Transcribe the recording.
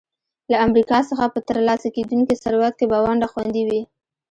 له امریکا څخه په ترلاسه کېدونکي ثروت کې به ونډه خوندي وي.